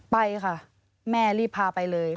ไปค่ะแม่รีบพาไปเลย